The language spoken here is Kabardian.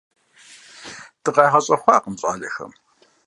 ДыкъагъэщӀэхъуакъым щӀалэхэм.